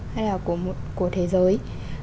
hay là của thế giới